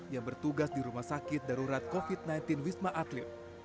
yang bertugas di rumah sakit darurat covid sembilan belas wisma atlet